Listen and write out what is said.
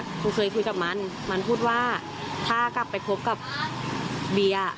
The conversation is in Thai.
ครูเคยคุยกับมันมันพูดว่าถ้ากลับไปคบกับเบียร์